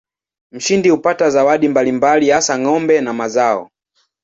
Mshindi hupata zawadi mbalimbali hasa ng'ombe na mazao.